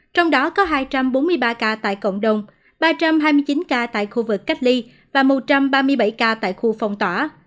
trong đó có hai trăm bốn mươi ba ca tại cộng đồng ba trăm hai mươi chín ca tại khu vực cách ly và một trăm ba mươi bảy ca tại khu phong tỏa